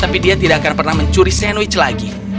tapi dia tidak akan pernah mencuri sandwich lagi